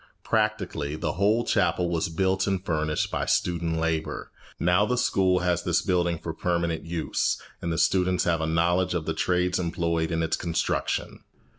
Practically, the whole chapel was built and furnished by student labour. Now the school has this building for permanent use, and the students have a knowledge of the trades employed in its construction.